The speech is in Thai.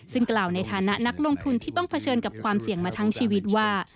ซึ่งกล่าวในฐานะนักลงทุนที่ต้องเผชิญกับความเสี่ยงมาทั้งชีวิตว่า